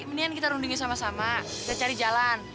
mendingan kita rundingin sama sama kita cari jalan